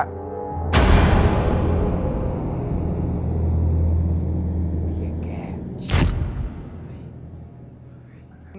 เบียแก่